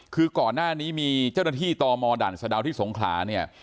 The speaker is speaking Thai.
คือก่อนหน้านี้มีเจ้าหน้าที่ตมดสทศธงศาล